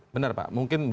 benar pak mungkin